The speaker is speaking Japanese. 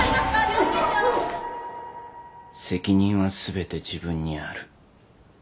「責任はすべて自分にある」